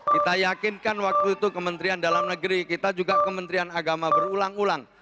kita yakinkan waktu itu kementerian dalam negeri kita juga kementerian agama berulang ulang